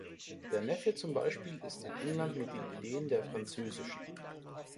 Der Neffe zum Beispiel ist in England mit den Ideen der frz.